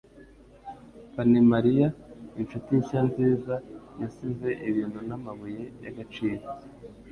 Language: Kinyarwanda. fanmariya' inshuti nshya nziza yasize ibintu n'amabuye y'agaciro